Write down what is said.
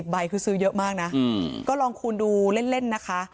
ใบคือซื้อเยอะมากนะก็ลองคูณดูเล่นนะคะ